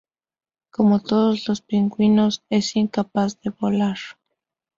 Como todos los pingüinos, es incapaz de volar.